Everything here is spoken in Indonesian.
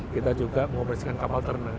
kita juga mengoperasikan kapal ternak